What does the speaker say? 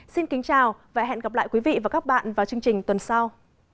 xin kính chào và hẹn gặp lại quý vị và các bạn vào chương trình tuần sau